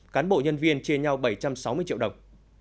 cán bộ nhân viên chia nhau bảy trăm sáu mươi triệu đồng